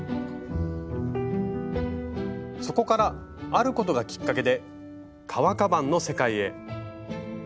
そこからあることがきっかけで革カバンの世界へ。